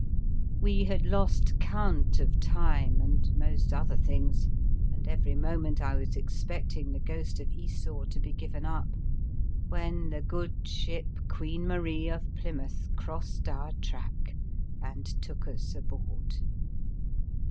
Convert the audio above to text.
We had lost count of time and most other things, and every moment I was expecting the ghost of Esau to be given up, when the good ship Queen Marie of Plymouth crossed our track and took us aboard.